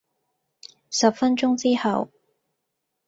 十分鐘之後